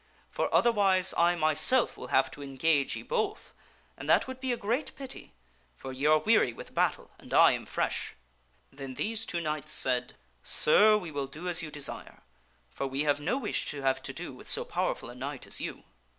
For otherwise I myself will have to engage ye both, and that would be a great pity ; for ye are weary with battle and I am fresh." Then these two knights said, " Sir, we will do as you desire, for we have no wish to have to do with so powerful a knight as you."